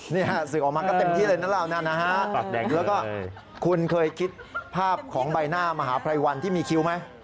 นี่ฮะสึกออกมาก็เต็มที่เลยนะเรานะฮะแล้วก็คุณเคยคิดภาพของใบหน้ามหาภัยวัลที่มีคิ้วไหม